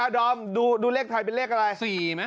อ่ะดอมดูเลขไทยเป็นเลขอะไร